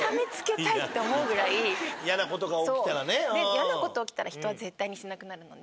嫌な事起きたら人は絶対にしなくなるので。